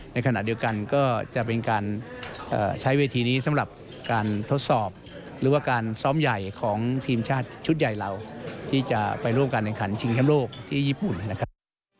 ในขณะเดียวกันก็จะเป็นการใช้เวทีนี้สำหรับการทดสอบหรือว่าการซ้อมใหญ่ของทีมชาติชุดใหญ่เราที่จะไปร่วมการแข่งขันชิงแชมป์โลกที่ญี่ปุ่นนะครับ